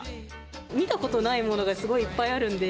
見たことないものがすごいいっぱいあるんで。